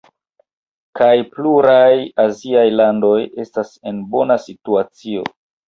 kaj pluraj aziaj landoj estas en bona situacio.